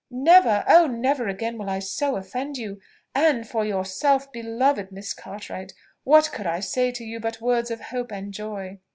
"Never oh, never again will I so offend you: and for yourself, beloved Miss Cartwright, what could I say to you but words of hope and joy?"